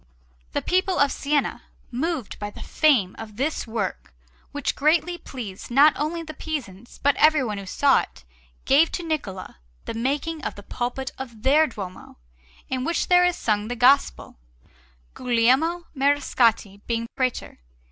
The people of Siena, moved by the fame of this work, which greatly pleased not only the Pisans but everyone who saw it, gave to Niccola the making of the pulpit of their Duomo, in which there is sung the Gospel; Guglielmo Mariscotti being Prætor.